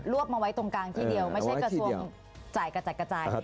วบมาไว้ตรงกลางที่เดียวไม่ใช่กระทรวงจ่ายกระจัดกระจาย